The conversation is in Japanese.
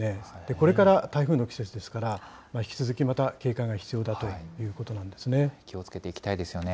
これから台風の季節ですから、引き続きまた警戒が必要だというこ気をつけていきたいですよね。